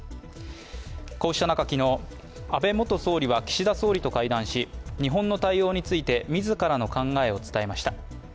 こうした中、昨日、安倍元総理は岸田総理と会談し日本の対応について自らの考えを伝えました。